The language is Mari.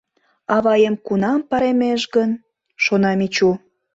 «Аваем кунам паремеш гын», — шона Мичу.